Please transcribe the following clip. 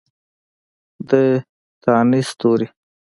د تانیث توري